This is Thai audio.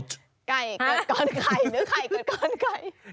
ไก่กดกร้อนไก่หรือไข่กดกร้อนไก่